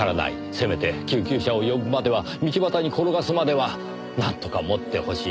せめて救急車を呼ぶまでは道端に転がすまではなんとかもってほしい。